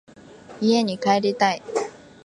家に帰りたい。